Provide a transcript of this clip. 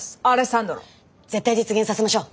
絶対実現させましょう！